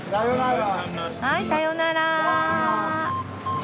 はいさよなら。